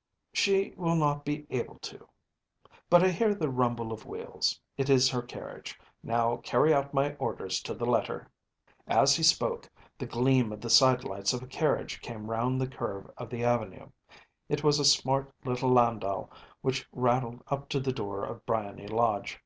‚ÄĚ “She will not be able to. But I hear the rumble of wheels. It is her carriage. Now carry out my orders to the letter.‚ÄĚ As he spoke the gleam of the sidelights of a carriage came round the curve of the avenue. It was a smart little landau which rattled up to the door of Briony Lodge.